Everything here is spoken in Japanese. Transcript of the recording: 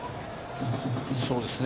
そうですね。